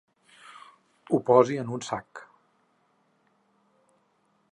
Ho posi en un sac.